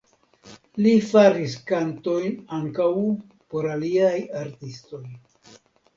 Li faris kantojn ankaŭ por aliaj artistoj.